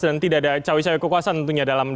dan tidak ada cawek cawek kekuasaan